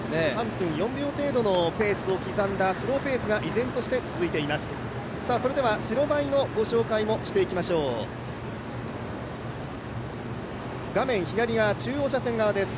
３分４秒程度のペースを刻んだスローペースが依然として進んでいます。